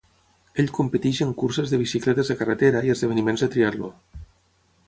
Ell competeix en curses de bicicletes de carretera i esdeveniments de triatló.